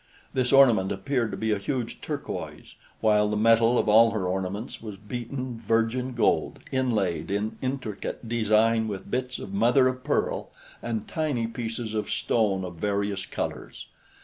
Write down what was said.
This ornament appeared to be a huge turquoise, while the metal of all her ornaments was beaten, virgin gold, inlaid in intricate design with bits of mother of pearl and tiny pieces of stone of various colors.